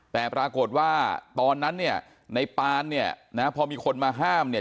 แต่ปรากฏว่าตอนนั้นเนี่ยในปานเนี่ยนะพอมีคนมาห้ามเนี่ย